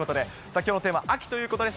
きょうのテーマ、秋ということです。